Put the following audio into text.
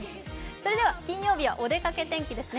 それでは、金曜日はお出かけ天気ですね。